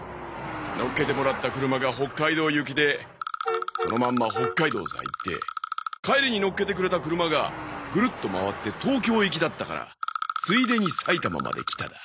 乗っけてもらった車が北海道行きでそのまんま北海道さ行って帰りに乗っけてくれた車がぐるっと回って東京行きだったからついでに埼玉まで来ただ。